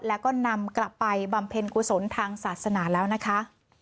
แล้วก็นำกลับไปบำเพ็ญกุศลทางศาสนาแล้วนะคะ